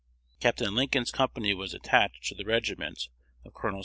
Capt. Lincoln's company was attached to the regiment of Col.